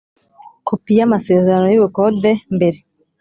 Kopi y amasezerano y ubukode mbere